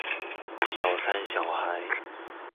小三小孩